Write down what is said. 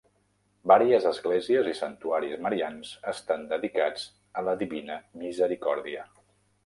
Vàries esglésies i santuaris marians estan dedicats a la Divina Misericòrdia.